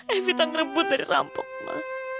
evita ngerebut dari rampok ma